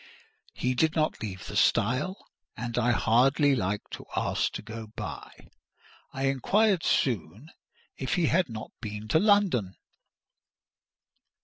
He did not leave the stile, and I hardly liked to ask to go by. I inquired soon if he had not been to London.